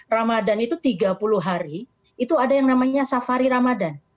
ramadan itu tiga puluh hari itu ada yang namanya safari ramadan